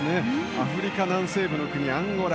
アフリカ南西部の国アンゴラ。